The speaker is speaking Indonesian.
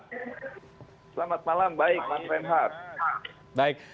selamat malam baik